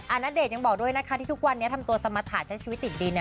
อ่านัดเดชน์ยังบอกด้วยนะคะที่ทุกวันนี้ทำตัวสมัทหาชัยชีวิตติดดีน่ะ